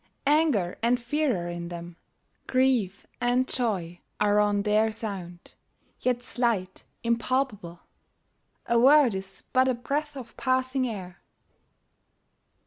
Anger and fear are in them; grief and joy Are on their sound; yet slight, impalpable: A word is but a breath of passing air.